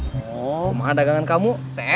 rumah dagangan kamu